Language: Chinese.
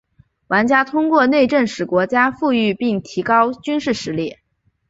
玩家通过内政使国家富裕并提高军事实力。